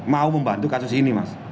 mau membantu kasus ini mas